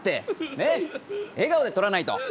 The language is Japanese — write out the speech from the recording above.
ねっ笑顔で撮らないと。